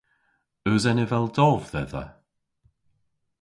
Eus eneval dov dhedha?